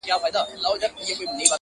دا نظم مي -